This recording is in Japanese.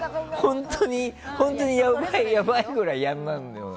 本当に、やばいぐらいやらないのよ。